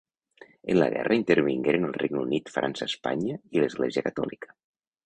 En la guerra intervingueren el Regne Unit, França, Espanya i l'Església Catòlica.